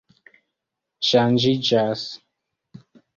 ŝanĝiĝas